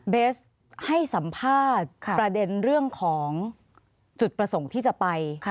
เบสให้สัมภาษณ์ประเด็นเรื่องของจุดประสงค์ที่จะไป